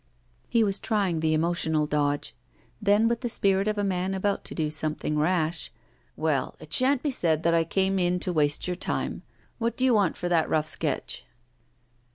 He was trying the emotional dodge; then, with the spirit of a man about to do something rash: 'Well, it sha'n't be said that I came in to waste your time. What do you want for that rough sketch?